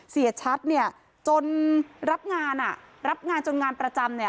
เสียชัดจนรับงานรับงานจนงานประจำ